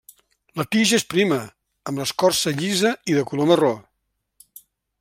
La tija és prima, amb l'escorça llisa i de color marró.